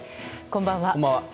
こんばんは。